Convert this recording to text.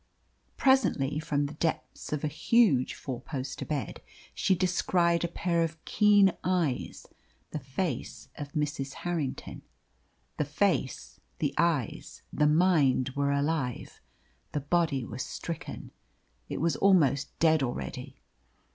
Presently, from the depths of a huge four poster bed, she descried a pair of keen eyes the face of Mrs. Harrington. The face, the eyes, the mind were alive, the body was stricken; it was almost dead already.